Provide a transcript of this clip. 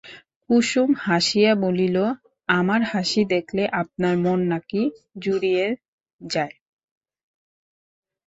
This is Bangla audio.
কুুসুম হাসিয়া বলিল, আমার হাসি দেখলে আপনার মন নাকি জুড়িযে যায়?